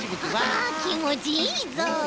あきもちいいぞう。